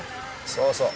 そうそう。